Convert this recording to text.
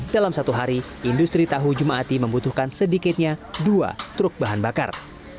dalam satu hari industri tahu jum'ati membutuhkan sedikitnya dua truk bahan bakar